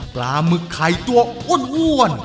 ปลาหมึกไข่ตัวอ้อน